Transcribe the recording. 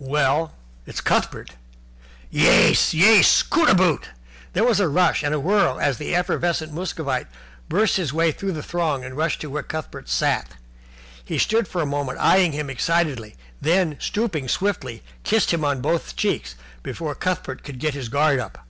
"Well, it's Cuthbert." "Yais! Yais! Cootaboot!" There was a rush and swirl, as the effervescent Muscovite burst his way through the throng and rushed to where Cuthbert sat. He stood for a moment eyeing him excitedly, then, stooping swiftly, kissed him on both cheeks before Cuthbert could get his guard up.